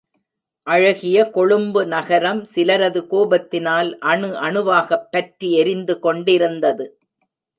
அழகிய கொழும்பு நகரம் சிலரது கோபத்தினால் அணு, அணுவாக பற்றி எரிந்து கொண்டிருந்தது.